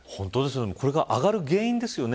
これから上がる原因ですよね。